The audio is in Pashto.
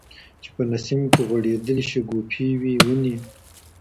چي په نسیم کي غوړېدلي شګوفې وي وني